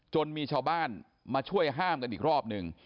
จนมีชาวบ้านมาช่วยห้ามกันอีกรอบหนึ่ง